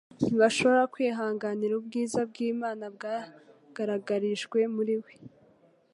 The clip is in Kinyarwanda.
ntibashobora kwihanganira ubwiza bw'Imana bwagaragarijwe muri we.